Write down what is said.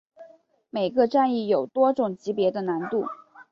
每个战役有多种级别的难度。